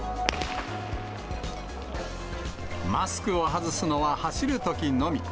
マスクを外すのは走るときのみ。